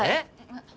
えっ？